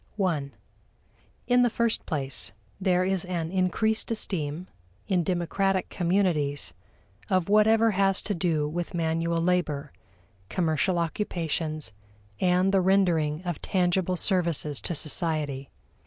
(i) In the first place, there is an increased esteem, in democratic communities, of whatever has to do with manual labor, commercial occupations, and the rendering of tangible services to society.